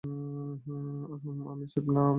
আর, উম, আমি শেফ না, আপনি শেফ।